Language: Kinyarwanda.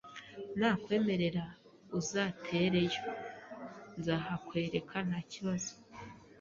nakwemerera uzatereyo, nzahakwereka ntakibazo.